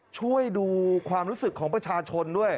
ช่วยดูความรู้สึกของประชาชนด้วย